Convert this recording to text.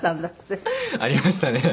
ありましたね。